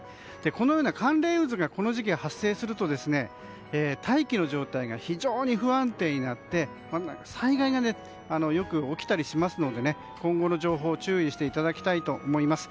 このような寒冷渦がこの時期に発生すると大気の状態が非常に不安定になって災害がよく起きたりしますので今後の情報注意していただきたいと思います。